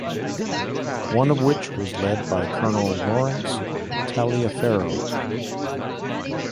One of which was led by Colonel Lawrence Taliaferro.